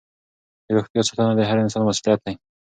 د روغتیا ساتنه د هر انسان مسؤلیت دی.